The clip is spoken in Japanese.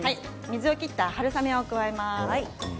水を切った春雨を入れます。